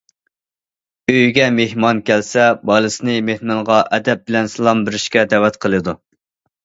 ئۆيگە مېھمان كەلسە، بالىسىنى مېھمانغا ئەدەپ بىلەن سالام بېرىشكە دەۋەت قىلىدۇ.